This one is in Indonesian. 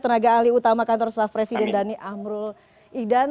tenaga ahli utama kantor staff presiden dhani amrul iqdan